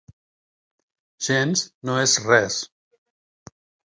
Gens no és res.